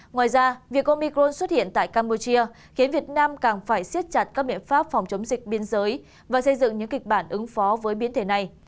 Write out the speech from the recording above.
ngoài ra việc comicron xuất hiện tại campuchia khiến việt nam càng phải siết chặt các biện pháp phòng chống dịch biên giới và xây dựng những kịch bản ứng phó với biến thể này